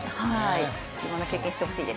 いろんな経験してほしいです。